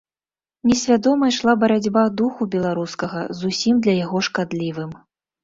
Несвядома ішла барацьба духу беларускага з усім для яго шкадлівым.